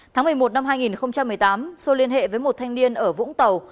tháng một mươi một năm hai nghìn một mươi tám xô liên hệ với một thanh niên ở vũng tàu